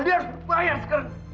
dia harus dibayar sekarang